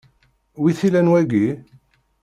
Wi t-ilan wagi?